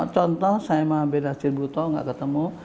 contoh saya mah beda si buto nggak ketemu